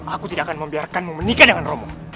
aku tidak akan membiarkanmu menikah dengan romo